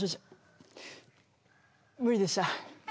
無理でした。